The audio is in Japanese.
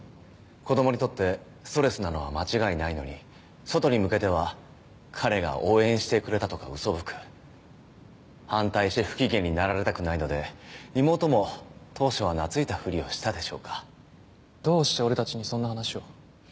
子どもにとってストレスなのは間違いないのに外に向けては彼が応援してくれたとかウソぶく反対して不機嫌になられたくないので妹も当初は懐いたふりをしたでしょうかどうして俺たちにそんな話を？